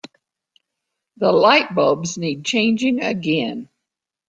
The lightbulbs need changing again.